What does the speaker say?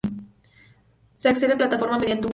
Se accede al plataforma mediante un cordón.